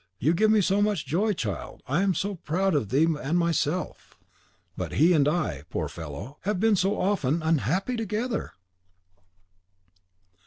You give me so much joy, child, I am so proud of thee and myself. But he and I, poor fellow, have been so often unhappy together!"